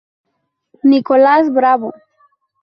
Nicolás Bravo.